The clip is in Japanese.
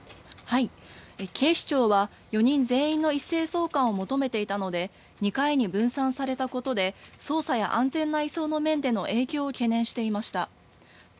警視庁は４人全員の一斉送還を求めていたので、２回に分散されたことで、捜査や安全な移送の面での影響を懸念していました。